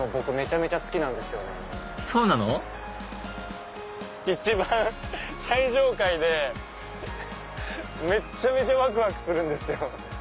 はい一番最上階でめっちゃめちゃワクワクするんですよ。